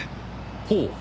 ほう。